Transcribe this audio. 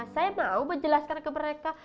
saya mau menjelaskan ke mereka